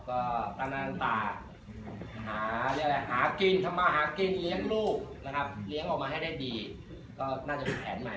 ก็ตั้งแต่หากินทำมาหากินเลี้ยงลูกนะครับเลี้ยงออกมาให้ได้ดีก็น่าจะเป็นแผนใหม่